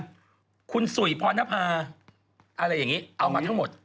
อธิบราชปาลคุณสุยพรณภาอะไรอย่างนี้เอามาทั้งหมด